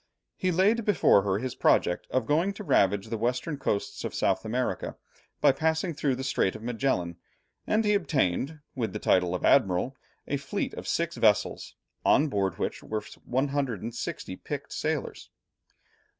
He laid before her his project of going to ravage the western coasts of South America, by passing through the Strait of Magellan, and he obtained, with the title of admiral, a fleet of six vessels, on board of which were 160 picked sailors.